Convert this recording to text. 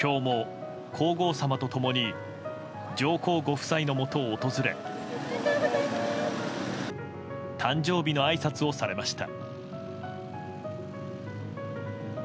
今日も皇后さまと共に上皇ご夫妻のもとを訪れ誕生日のあいさつをされました。